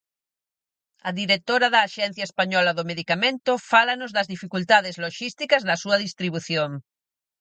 A directora da Axencia Española do Medicamento fálanos das dificultades loxísticas da súa distribución.